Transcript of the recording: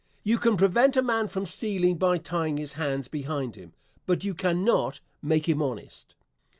You can prevent a man from stealing by tying his hands behind him, but you cannot make him honest.